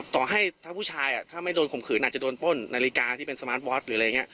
ต่อให้ถ้าผู้ชายถ้าไม่โดนข่มขืนอาจจะโดนป้นนาฬิกาที่เป็นสมาร์ทบอสหรืออะไรอย่างนี้